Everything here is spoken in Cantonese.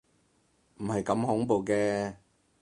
唔係咁恐怖嘅